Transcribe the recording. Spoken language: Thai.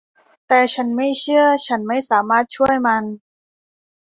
แต่ฉันไม่เชื่อ ฉันไม่สามารถช่วยมัน